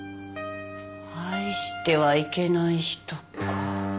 愛してはいけない人か。